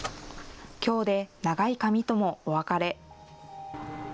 きょうで長い髪ともお別れ。